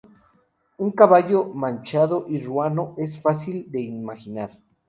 Un caballo manchado y ruano es fácil de imaginar.